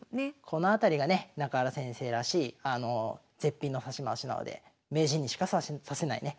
この辺りがね中原先生らしい絶品の指し回しなので名人にしか指せないね